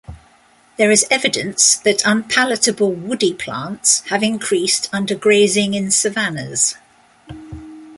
There is evidence that unpalatable woody plants have increased under grazing in savannas.